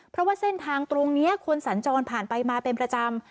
เพราะว่าเส้นทางตรงนี้คนสัญจรผ่านไปมาเป็นประจำ